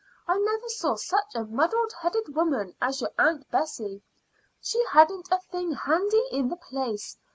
I never saw such a muddle headed woman as your aunt Bessie. She hadn't a thing handy in the place.